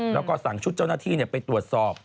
แล้วก็สั่งชุดเจ้าหน้าที่ไปตรวจสอบ